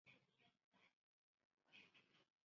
富勒姆大道站是伦敦地铁的一个车站。